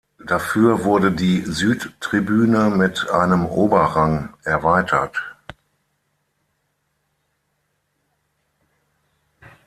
Dafür wurde die Südtribüne mit einem Oberrang erweitert.